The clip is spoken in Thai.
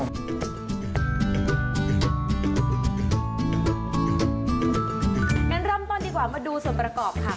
งั้นเริ่มต้นดีกว่ามาดูส่วนประกอบค่ะ